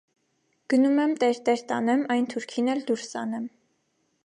- Գնում եմ տերտեր տանեմ, այն թուրքին էլ դուրս անեմ: